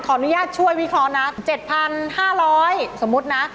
อุณหยาช่วยวิเคราะห์นะ๗๕๐๐บาทสมมุตินะ